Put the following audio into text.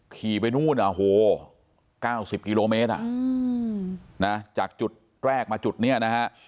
ขี่ไปนู่น๙๐กิโลเมตรจากจุดแรกมาจุดนี้นะฮะ